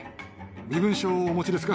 身分証をお持ちですか？